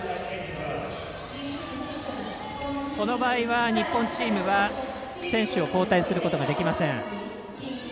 この場合は、日本チームは選手を交代することができません。